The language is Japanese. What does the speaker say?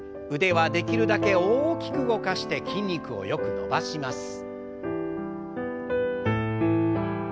腕はできるだけ大きく動かして筋肉をよく伸ばします。